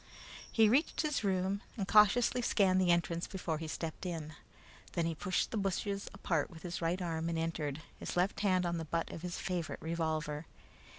He reached his room and cautiously scanned the entrance before he stepped in. Then he pushed the bushes apart with his right arm and entered, his left hand on the butt of his favorite revolver.